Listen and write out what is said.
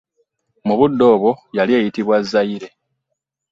Mu budde obwo yali eyitibwa Zaire.